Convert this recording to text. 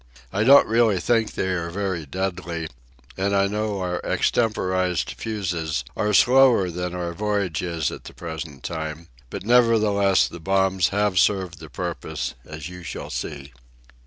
I don't really think they are very deadly, and I know our extemporized fuses are slower than our voyage is at the present time; but nevertheless the bombs have served the purpose, as you shall see.